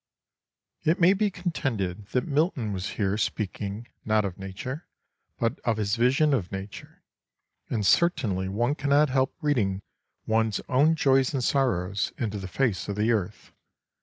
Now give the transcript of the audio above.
It may be contended that Milton was here speaking, not of nature, but of his vision of nature; and certainly one cannot help reading one's own joys and sorrows into the face of the earth.